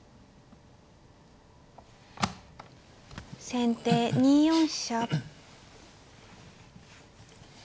先手２四飛車。